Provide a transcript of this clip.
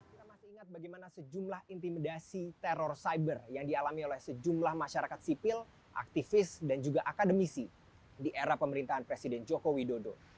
kita masih ingat bagaimana sejumlah intimidasi teror cyber yang dialami oleh sejumlah masyarakat sipil aktivis dan juga akademisi di era pemerintahan presiden joko widodo